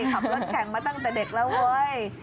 ขับรถแข่งมาตั้งแต่เด็กแล้วเว้ย